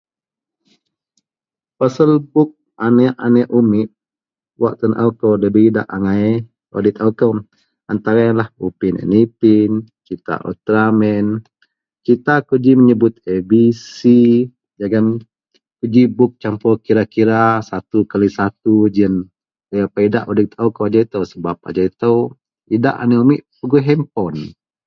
pasel buk aneak-aneak umit wak tenaau kou dabei idak agai, wak di taau kou antara ienlah upin and ipin, serita ultraman, serita kou ji meyebut abc jegum kou ji buk campur kira-kira satu kali satu ji ien, debai berapa idak wak di taau kou ajau itou, sebab ajau itou idak aneak umik pegui handpon